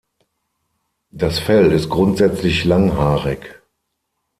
Das Fell ist grundsätzlich langhaarig.